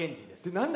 何だ？